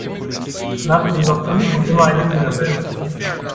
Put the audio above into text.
Nach dem Login kommt immer eine Fehlermeldung.